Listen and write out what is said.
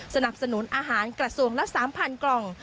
สนับสนุนอาหารกระทรวงละ๓๐๐กล่อง